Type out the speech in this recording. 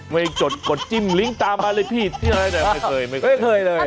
ไม่จดกดจิ้มลิงค์ตามมาเลยพี่ไม่เคยไม่เคยเลย